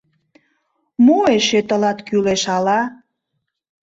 Мо эше тылат кӱлеш ала?